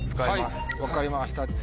はい分かりました。